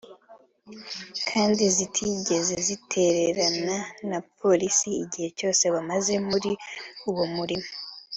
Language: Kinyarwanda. kandi zitigeze zitererana na Polisi igihe cyose bamaze muri uwo murimo